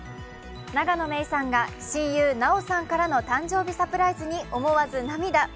永野芽郁さんが親友奈緒さんからの誕生日サプライズに思わず涙。